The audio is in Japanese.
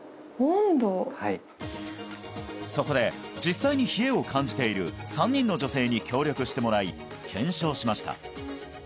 はいそこで実際に冷えを感じている３人の女性に協力してもらい検証しました